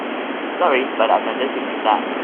Sorry but I'm allergic to that.